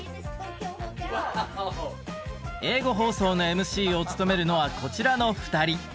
英語放送のＭＣを務めるのはこちらの２人。